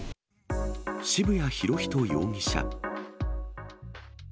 渋谷博仁容疑者。